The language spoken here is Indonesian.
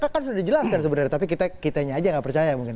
kan sudah dijelaskan sebenarnya tapi kitanya aja nggak percaya mungkin